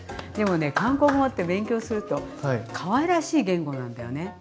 でもね韓国語って勉強するとかわいらしい言語なんだよね。